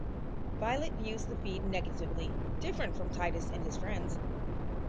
Violet views the feed negatively, different from Titus and his friends.